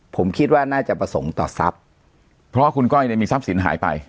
ผมคิดว่าน่าจะประสงค์ต่อทรัพย์เพราะคุณก้อยเนี่ยมีทรัพย์สินหายไป